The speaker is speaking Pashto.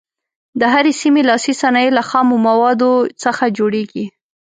د هرې سیمې لاسي صنایع له خامو موادو څخه جوړیږي.